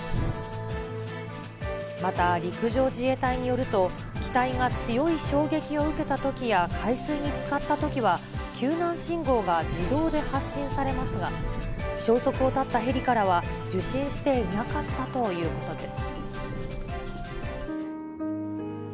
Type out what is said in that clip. また、陸上自衛隊によると、機体が強い衝撃を受けたときや海水につかったときは、救難信号が自動で発信されますが、消息を絶ったヘリからは、受信していなかったということです。